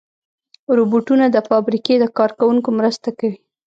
روبوټونه د فابریکې د کار کوونکو مرسته کوي.